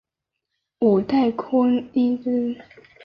五代因之。